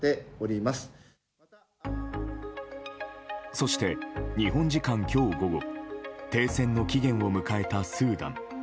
そして、日本時間今日午後停戦の期限を迎えたスーダン。